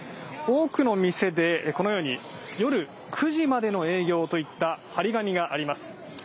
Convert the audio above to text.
多くの店でこのように夜９時までの営業といった貼り紙があります